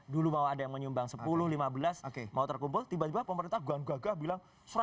dulu mau ada yang menyumbang sepuluh lima belas mau terkumpul tiba tiba pemerintah ganggu gagah bilang seratus